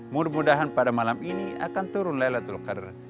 mudah mudahan pada malam ini akan turun laylatul qadar